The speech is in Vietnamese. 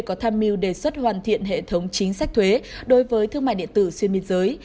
tổng cục thuế đang nghiên cứu đề xuất hoàn thiện hệ thống chính sách thuế đối với thương mại điện tử xuyên biên giới